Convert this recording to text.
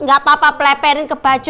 gak papa peleperin ke baju